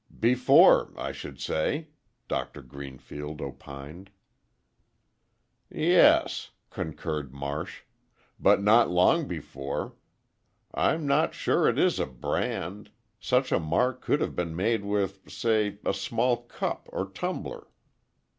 "Before, I should say," Doctor Greenfield opined. "Yes," concurred Marsh, "but not long before. I'm not sure it is a brand—such a mark could have been made with, say, a small cup or tumbler."